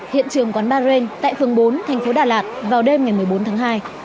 hiện trường quán ba ren tại phường bốn thành phố đà lạt vào đêm ngày một mươi bốn tháng hai